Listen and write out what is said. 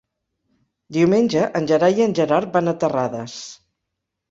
Diumenge en Gerai i en Gerard van a Terrades.